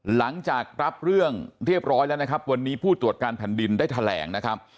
หลังจากรับเรื่องเรียบร้อยแล้วนะครับวันนี้ผู้ตรวจการแผ่นดินได้แถลงนะครับ